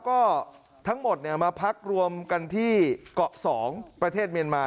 ก็ทั้งหมดมาพักรวมกันที่เกาะ๒ประเทศเมียนมา